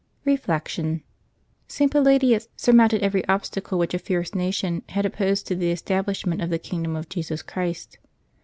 Reflection. — St. Palladius surmounted every obstacle which a fierce nation had opposed to the establishment of the kingdom of Jesus Christ.